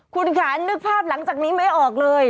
คุณค่ะนึกภาพหลังจากนี้ไม่ออกเลย